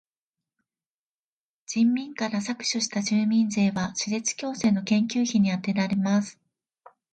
人民から搾取した住民税は歯列矯正の研究費にあてられます。